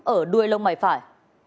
ở đuôi lông mày phải